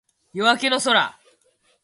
夜明けの空